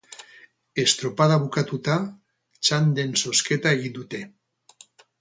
Estropada bukatuta, txanden zozketa egin dute.